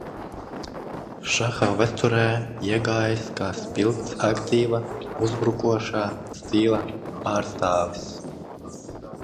Šaha vēsturē iegājis kā spilgts aktīva uzbrūkošā stila pārstāvis.